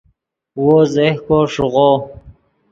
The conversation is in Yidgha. وو زیہکو ݰیغو